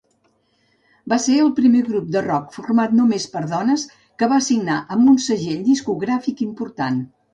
Va ser el primer grup de rock format només per dones que va signar amb un segell discogràfic important.